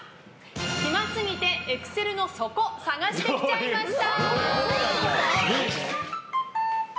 暇すぎてエクセルの底探してきちゃいました。